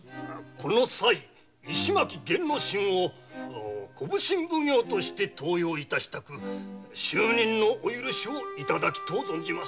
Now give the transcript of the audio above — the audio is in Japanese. このさい石巻弦之進を小普請奉行に登用致したく就任のお許しをいただきとう存じます。